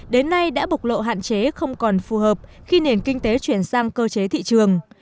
đến nay đã bộc lộ hạn chế không còn phù hợp khi nền kinh tế chuyển sang cơ chế thị trường